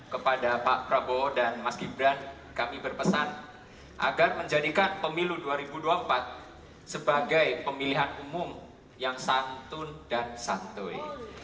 kepada pak prabowo dan mas gibran kami berpesan agar menjadikan pemilu dua ribu dua puluh empat sebagai pemilihan umum yang santun dan santui